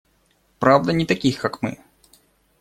Правда, не таких как мы.